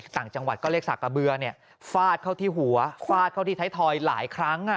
ต่างจังหวัดก็เรียกสากกระเบือฟาดเข้าที่หัวฟาดเข้าที่ไทยทอยหลายครั้ง